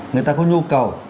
người ta có nhu cầu